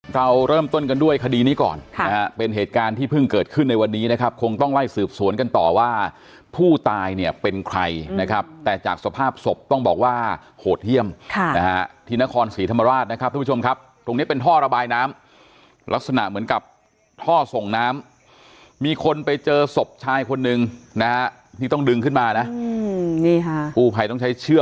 เราเริ่มต้นกันด้วยคดีนี้ก่อนนะฮะเป็นเหตุการณ์ที่เพิ่งเกิดขึ้นในวันนี้นะครับคงต้องไล่สืบสวนกันต่อว่าผู้ตายเนี่ยเป็นใครนะครับแต่จากสภาพศพต้องบอกว่าโหดเยี่ยมค่ะนะฮะที่นครศรีธรรมราชนะครับทุกผู้ชมครับตรงนี้เป็นท่อระบายน้ำลักษณะเหมือนกับท่อส่งน้ำมีคนไปเจอศพชายคนนึงนะฮะที่ต้องดึงขึ้นมานะนี่ค่ะกู้ภัยต้องใช้เช